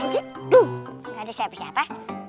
gak ada siapa siapa